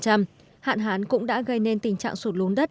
hạn hán cũng đã gây nên tình trạng sụt lún đất